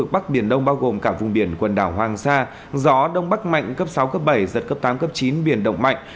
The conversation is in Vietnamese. bắc biển đông bao gồm cả vùng biển quần đảo hoàng sa gió đông bắc mạnh cấp sáu cấp bảy giật cấp tám cấp chín biển động mạnh